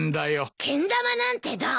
けん玉なんてどう？